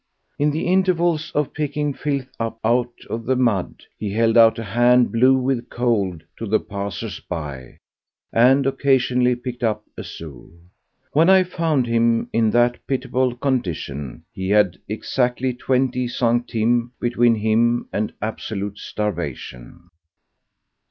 In the intervals of picking filth up out of the mud he held out a hand blue with cold to the passers by and occasionally picked up a sou. When I found him in that pitiable condition he had exactly twenty centimes between him and absolute starvation.